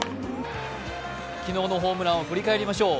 昨日のホームランを振り返りましょう。